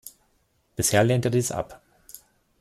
Bisher lehnt er dies ab.